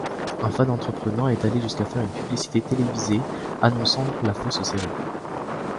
Un fan entreprenant est allé jusqu'à faire une publicité télévisée annonçant la fausse série.